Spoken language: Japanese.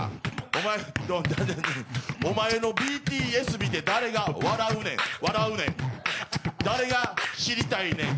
おまえ、おまえのＢＴＳ見て誰が笑うねん、笑うねん。